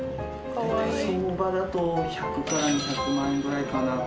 大体相場だと１００から２００万円ぐらいかなと。